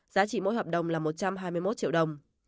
giá trị mỗi hợp đồng là một trăm hai mươi một triệu đồng